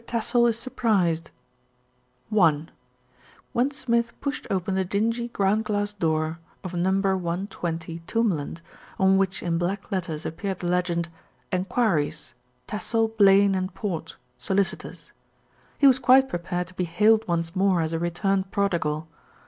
TASSELL IS SURPRISED HEN Smith pushed open the dingy, ground glass door of No. 1 20 Tombland, on which in black letters appeared the legend ENQUIRIES. TASSELL, ELAINE & PORT. SOLICITORS. he was quite prepared to be hailed once more as a re turned prodigal.